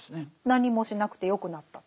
何もしなくてよくなった。